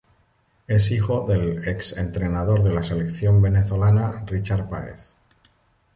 Es hijo del ex entrenador de la selección venezolana, Richard Páez.